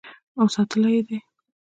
او ساتلی یې دی.